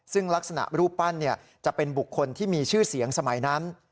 ซึ่งลักษณะรูปปั้นจะเป็นบุคคลที่มีชื่อเสียงสมัยนั้น